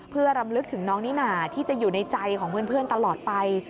เพื่อรำลึกถึงน้องนิน่าที่จะอยู่ในใจของเพื่อนตลอดไป